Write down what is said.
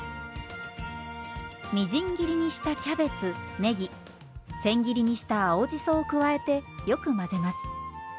みじん切りにしたキャベツねぎ千切りにした青じそを加えてよく混ぜます。